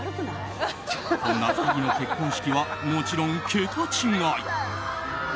そんな２人の結婚式はもちろん、桁違い。